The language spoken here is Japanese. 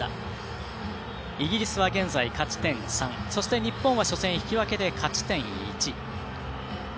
イギリスは現在、勝ち点３そして日本は初戦引き分けで勝ち点１。